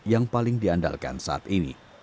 yang paling diandalkan saat ini